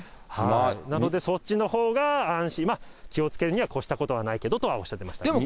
なので、そっちのほうが安心、気をつけるには越したことはないけどとおっしゃっていました。